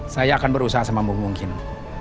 saya akan berusaha sama memungkinkannya